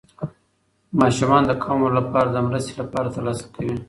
ماشومان د کم عمر لپاره د مرستې لپاره ترلاسه کوي.